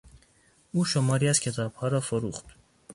او شماری از کتابها را فروخت.